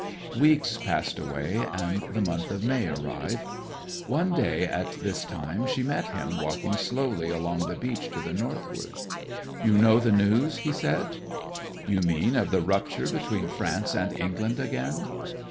Weeks passed away, and the month of May arrived. One day at this time she met him walking slowly along the beach to the northward. '"You know the news?" he said. '"You mean of the rupture between France and England again?"